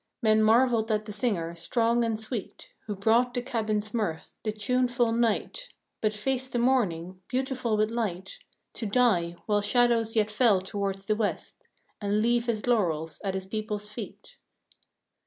Men marveled at the singer, strong and sweet, Who brought the cabin's mirth, the tuneful night, But faced the morning, beautiful with light, To die while shadows yet fell toward the west, And leave his laurels at his people's feet.